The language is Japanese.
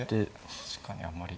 確かにあんまり。